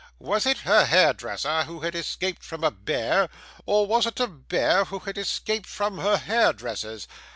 Was it her hairdresser who had escaped from a bear, or was it a bear who had escaped from her hairdresser's?